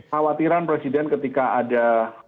khawatiran presiden ketika ada